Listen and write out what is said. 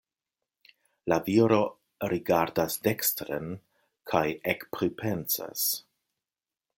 La viro rigardas dekstren kaj ekpripensas.